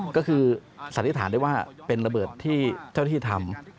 ก็คือสันนิษฐานได้ว่าเป็นระเบิดที่เจ้าหน้าที่ทำ